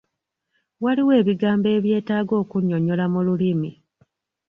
Waliwo ebigambo ebyetaaga okunnyonnyola mu lulimi.